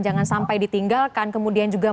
jangan sampai ditinggalkan kemudian juga